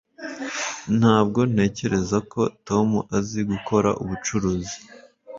Ntabwo ntekereza ko Tom azi gukora ubucuruzi